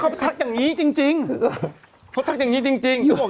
เขาไปทักอย่างนี้จริงจริงเขาทักอย่างงี้จริงจริง